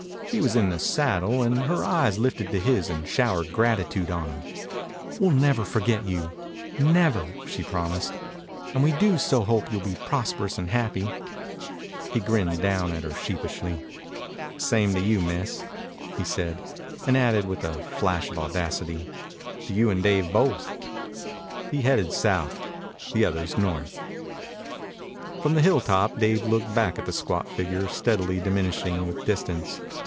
He was in the saddle, and her eyes lifted to his and showered gratitude on him. "We'll never forget you never," she promised. "And we do so hope you'll be prosperous and happy." He grinned down at her sheepishly. "Same to you, Miss," he said; and added, with a flash of audacity, "To you and Dave both." He headed south, the others north. From the hilltop Dave looked back at the squat figure steadily diminishing with distance.